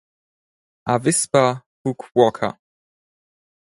Avispa Fukuoka